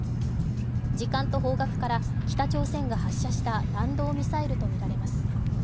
時間と方角から、北朝鮮が発射した弾道ミサイルとみられます。